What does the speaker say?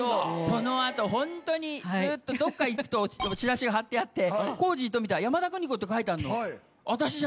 その後ホントにずっとどっか行くとチラシが張ってあってコージー冨田山田邦子って書いてあるの。